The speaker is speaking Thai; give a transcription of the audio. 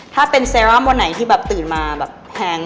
ถ้าเป็นเซรั่มวันไหนที่ตื่นมาแห้ง